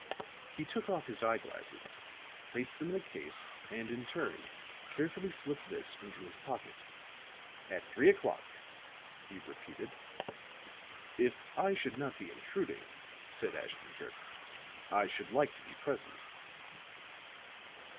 He took off his eye glasses, placed them in a case and, in turn, carefully slipped this into his pocket. "At three o'clock," he repeated. "If I should not be intruding," said Ashton Kirk, "I should like to be present."